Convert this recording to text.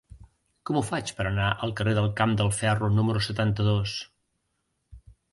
Com ho faig per anar al carrer del Camp del Ferro número setanta-dos?